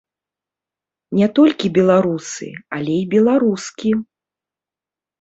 Не толькі беларусы, але і беларускі!